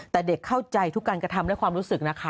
แต่เด็กเข้าใจทุกการกระทำและความรู้สึกนะคะ